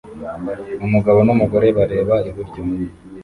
Umugabo n'umugore bareba iburyo